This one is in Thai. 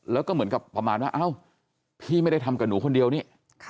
แล้วก็เหมือนกับประมาณว่าเอ้าพี่ไม่ได้ทำกับหนูคนเดียวนี่